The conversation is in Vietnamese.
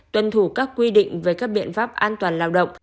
tuân thủ các quy định về các biện pháp an toàn lao động